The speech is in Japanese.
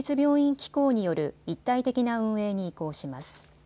機構による一体的な運営に移行します。